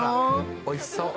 おいしそう。